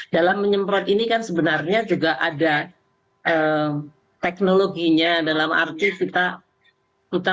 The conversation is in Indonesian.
dalam menyemprot ini kan sebenarnya juga ada teknologinya dalam arti kita